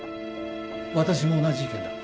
私も同じ意見だ。